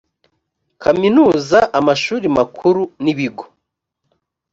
kaminuza amashuri makuru n ibigo